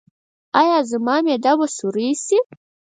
ایا زما معده به سورۍ شي؟